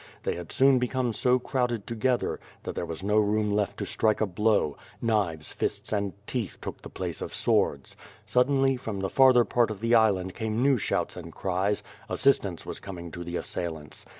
They had soon become so crowded together, that there w^as no room left to strike a blow; knives, fists, and teeth took the place of swords. Sud denly from the farther part of the island came new shouts and cries; assistance was coming to the assailants.